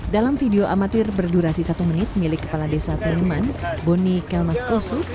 dalam video amatir berdurasi satu menit milik kepala desa taniman boni kelmas koso